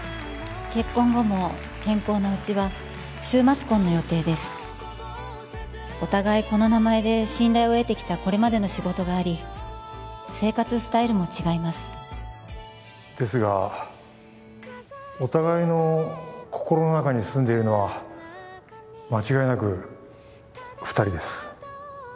結婚後も健康なうちは週末婚の予定ですお互いこの名前で信頼を得てきたこれまでの仕事があり生活スタイルも違いますですがお互いの心の中に住んでいるのは間違いなく二人です